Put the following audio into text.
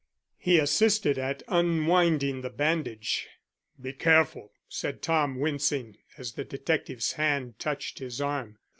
He assisted at unwinding the bandage. "Be careful," said Tom wincing, as the detective's hand touched his arm.